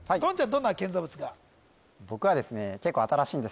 どんな建造物が？